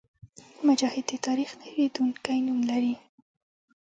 مجاهد د تاریخ نه هېرېدونکی نوم لري.